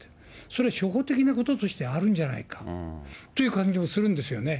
それ、初歩的なこととしてあるんじゃないかという感じはするんですよね。